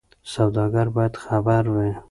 سوداګر باید خبر وي.